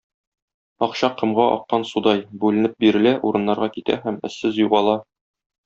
Акча комга аккан судай – бүленеп бирелә, урыннарга китә һәм эзсез югала.